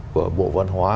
của bộ văn hóa